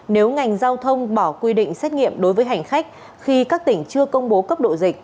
nếu ngành giao thông bỏ quy định xét nghiệm đối với hành khách khi các tỉnh chưa công bố cấp độ dịch